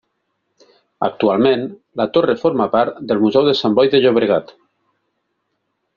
Actualment, la torre forma part del Museu de Sant Boi de Llobregat.